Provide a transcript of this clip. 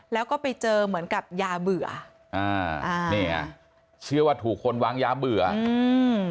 แล้วก็ไปเจอเหมือนกับยาเบื่ออ่าอ่านี่ไงเชื่อว่าถูกคนวางยาเบื่ออืม